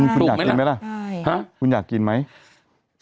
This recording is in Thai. คุณอยากกินไหมล่ะ